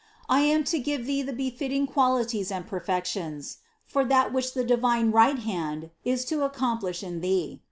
I am to give thee the befitting qualities and per fections for that which the divine right hand is to accom plish in thee.